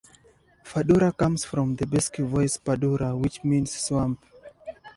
'Fadura' comes from the basque voice 'padura' which means swamp.